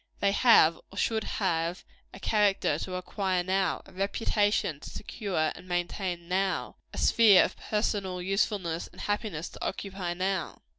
They have or should have a character to acquire now; a reputation to secure and maintain now; and a sphere of personal usefulness and happiness to occupy now.